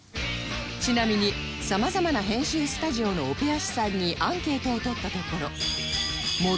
ちなみに様々な編集スタジオのオペアシさんにアンケートを取ったところ最も難しいテロップ